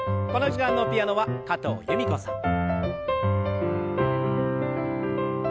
この時間のピアノは加藤由美子さん。